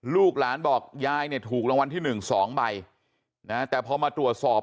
ลูกหลานบอกยายเนี่ยถูกรางวัลที่หนึ่งสองใบนะแต่พอมาตรวจสอบ